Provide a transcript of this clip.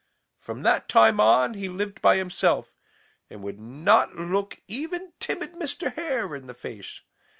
From that time on he lived by himself and would not look even timid Mr. Hare in the face.